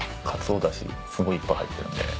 かつおだしすごいいっぱい入ってるんで。